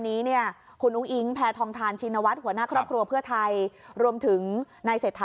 เดี๋ยวคุณผู้ชมต้องรอติดตามนะฮะ